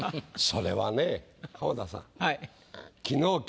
それはね浜田さん。